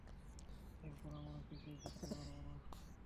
এরপর আমরা কিছুই করতে পারব না।